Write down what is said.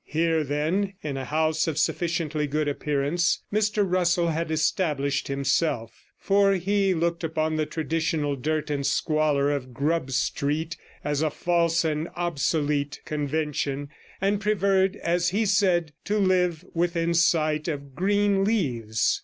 Here, then, in a house of sufficiently good appearance, Mr Russell had established himself; for he looked upon the traditional dirt and squalor of Grub Street as a false and obsolete convention, and preferred, as he said, to live within sight of green leaves.